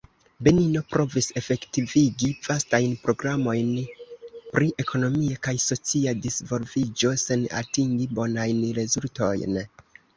Benino provis efektivigi vastajn programojn pri ekonomia kaj socia disvolviĝo sen atingi bonajn rezultojn.